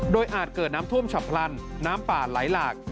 โดยอาจเกิดน้ำท่วมฉับพลันน้ำป่าไหลหลาก